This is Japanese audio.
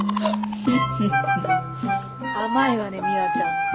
フフフ甘いわね美和ちゃん。